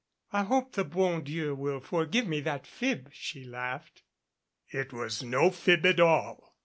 "I hope the bon Dieu will forgive me that fib," she laughed. "It was no fib at all."